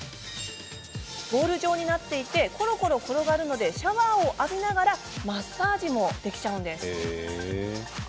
ボール状になっていてころころと転がるのでシャワーを浴びながらマッサージもできちゃうんです。